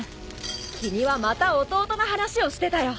君はまた弟の話をしてたよ。